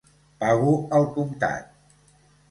Pago al comptat.